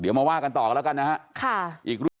เดี๋ยวมาว่ากันต่อกันแล้วกันนะฮะอีกเรื่อง